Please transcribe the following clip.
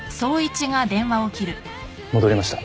戻りました。